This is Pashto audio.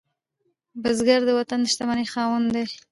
بزګر د وطن د شتمنۍ خاوند دی